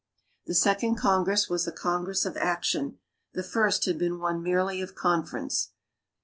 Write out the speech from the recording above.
The Second Congress was a Congress of action; the first had been one merely of conference.